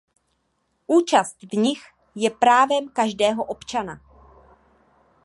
Účast v nich je právem každého občana.